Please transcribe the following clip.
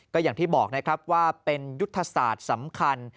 ก็อย่างที่บอกนะครับว่าเป็นยุทธศาสตร์สำคัญ